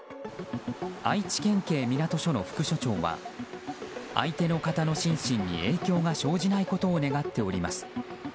愛知県警港署の副署長は相手の方の心身に影響が生じないことを願っております